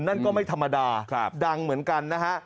นั่นก็ไม่ธรรมดาดังเหมือนกันนะฮะ